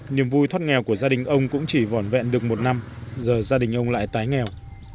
niềm vui thoát nghèo của gia đình ông cũng chỉ vỏn vẹn được một năm giờ gia đình ông lại tái nghèo